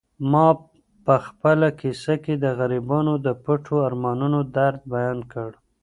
ما په خپله کیسه کې د غریبانو د پټو ارمانونو درد بیان کړ.